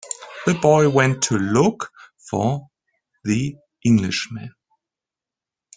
The boy went to look for the Englishman.